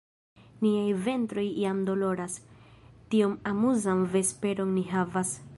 Niaj ventroj jam doloras; tiom amuzan vesperon ni havas!